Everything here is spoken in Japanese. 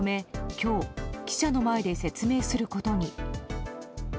今日、記者の前で説明することに。